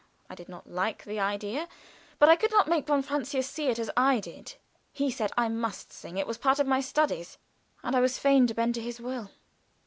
I did not like the idea, but I could not make von Francius see it as I did. He said I must sing it was part of my studies, and I was fain to bend to his will.